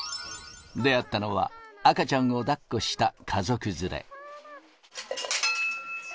出会ったのは、赤ちゃんをだっこした家族連れ。